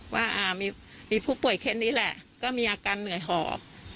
ว่ามีผู้ป่วยแค่นี้แหละก็มีอาการเหนื่อยหอบ